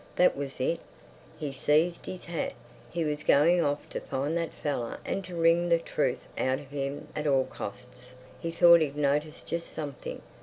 That was it! He seized his hat. He was going off to find that fellow and to wring the truth out of him at all costs. He thought he'd noticed just something.